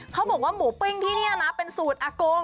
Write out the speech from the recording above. เขาบอกว่าหมูปิ้งที่นี่นะเป็นสูตรอาโกง